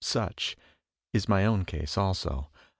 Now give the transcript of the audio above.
(Such Is my own case also.)